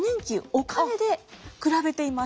お金で比べています。